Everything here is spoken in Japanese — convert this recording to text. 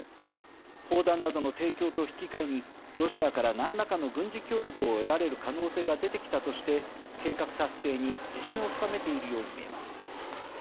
砲弾などの提供と引き換えにロシアから何らかの軍事協力を得られる可能性が出てきたとして計画達成に自信を深めているように見えます。